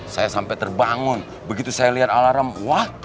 saya sampai terbangun begitu saya liat alarm wah